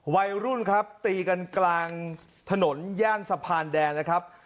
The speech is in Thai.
วัยรุ่นครับตีกันกลางถนนย่านสะพานแดนนะครับ